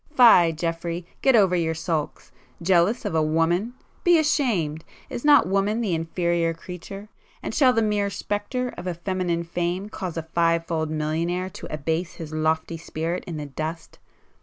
Fie Geoffrey!—get over your sulks! Jealous of a woman! Be ashamed,—is not woman the inferior creature?, and shall the mere spectre of a feminine fame cause a five fold millionaire to abase his lofty spirit in the dust?